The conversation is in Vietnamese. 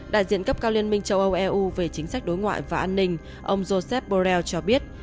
đại diện cấp cao liên minh châu âu eu về chính sách đối ngoại và an ninh ông josep borrell cho biết